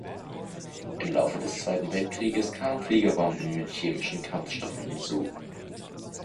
Im Laufe des Zweiten Weltkrieges kamen Fliegerbomben mit chemischen Kampfstoffen hinzu.